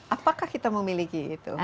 apakah kita memiliki itu